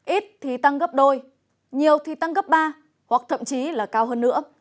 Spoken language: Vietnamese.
ít thì tăng gấp đôi nhiều thì tăng gấp ba hoặc thậm chí là cao hơn nữa